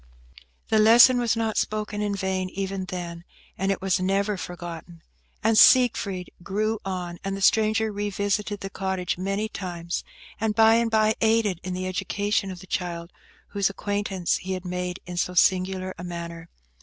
The lesson was not spoken in vain even then, and it was never forgotten. And Siegfried grew on, and the stranger revisited the cottage many times, and by and by aided in the education of the child whose acquaintance he had made in so singular a manner.